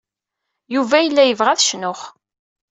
Yuba yella yebɣa ad cnuɣ.